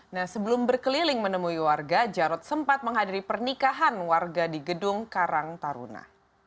nah sebelum berkeliling menemui warga jarod sempat menghadiri pernikahan warga di gedung karang taruna